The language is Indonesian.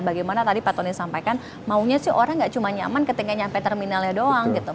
bagaimana tadi pak tony sampaikan maunya sih orang gak cuma nyaman ketika nyampe terminalnya doang gitu